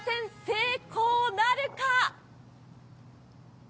成功なるか？